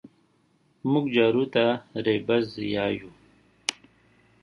مونږ جارو ته رېبز يايو